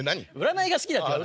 占いが好きだって話。